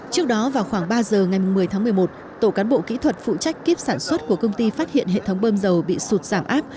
trước đó vào khoảng ba giờ ngày một mươi tháng một mươi một tổ cán bộ kỹ thuật phụ trách kiếp sản xuất của công ty phát hiện hệ thống bơm dầu bị sụt giảm áp